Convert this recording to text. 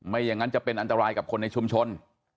ไม่อย่างนั้นจะเป็นอันตรายกับคนในชุมชน